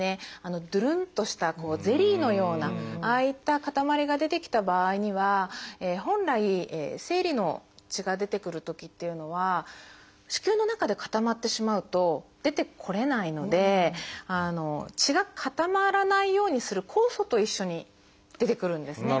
ドゥルンとしたゼリーのようなああいった塊が出てきた場合には本来生理の血が出てくるときっていうのは子宮の中で固まってしまうと出てこれないので血が固まらないようにする酵素と一緒に出てくるんですね。